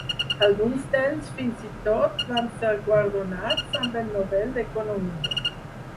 Alguns d'ells fins i tot van ser guardonats amb el Nobel d'Economia.